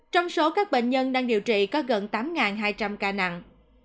trong số các bệnh nhân đang điều trị có gần tám hai trăm linh ca nặng